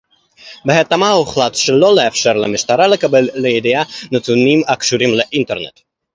בהתאמה הוחלט שלא לאפשר למשטרה לקבל לידיה נתונים הקשורים לאינטרנט